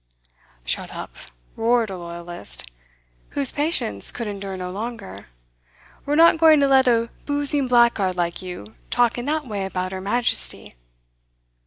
'Shut up!' roared a loyalist, whose patience could endure no longer. 'We're not going to let a boozing blackguard like you talk in that way about 'er Majesty!